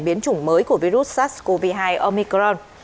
biến chủng mới của virus sars cov hai omicron